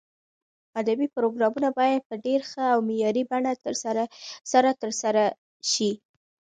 ادبي پروګرامونه باید په ډېر ښه او معیاري بڼه سره ترسره شي.